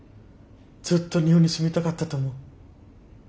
ずっと日本に住みたかったと思う。